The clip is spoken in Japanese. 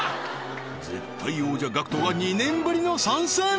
絶対王者 ＧＡＣＫＴ が２年ぶりの参戦！